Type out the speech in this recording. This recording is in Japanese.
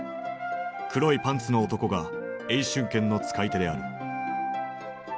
黒いパンツの男が詠春拳の使い手である。